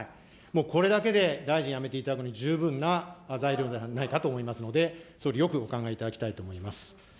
もうこれだけで大臣辞めていただくのに十分な材料ではないかと思いますので、総理、よくお考えいただきたいと思います。